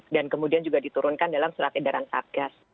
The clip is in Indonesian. dan kemudian juga diturunkan dalam syarat edaran satgas